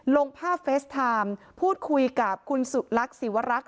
ลงภาพเฟสไทม์พูดคุยกับคุณสุลักษีวรักษ